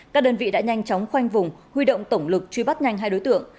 các đơn vị đã nhanh chóng khoanh vùng huy động tổng lực truy bắt nhanh hai đối tượng